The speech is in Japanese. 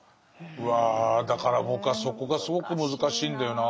うわだから僕はそこがすごく難しいんだよな。